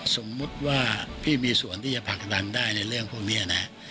สมมุติว่าพี่มีส่วนที่จะผลักดันได้ในเรื่องพวกนี้นะ